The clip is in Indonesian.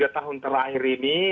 tiga tahun terakhir ini